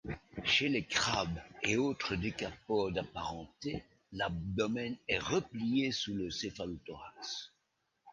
Chez les crabes et autres décapodes apparentés, l'abdomen est replié sous le céphalothorax.